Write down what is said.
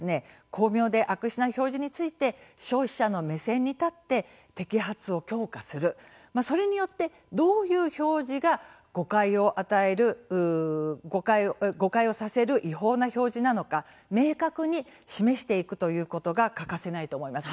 巧妙で悪質な表示について消費者の目線に立って摘発を強化する、それによってどういう表示が誤解を与える誤解をさせる違法な表示なのか明確に示していくということが欠かせないと思います。